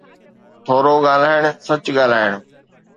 ٿورو ڳالهائڻ، سچ ڳالهائڻ.